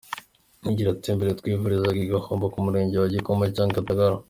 Agira ati “Mbere twivurizaga i Gahombo mu Murenge wa Kigoma cyangwa i Gatagara.